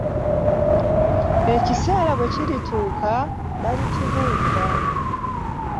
Ekiseera bwe kirituuka balitubuulira.